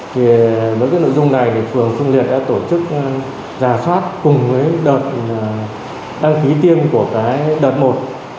thì với cái nội dung này thì phường xuân liệt đã tổ chức giả soát cùng với đợt đăng ký tiêm của cái đợt một